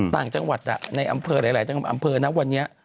ต่างจังหวัดในอำเภอหลายอำเภอนะวันนี้